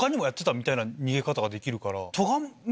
みたいな逃げ方ができるから。